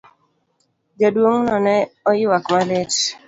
Jaduong'no ne oywak malit.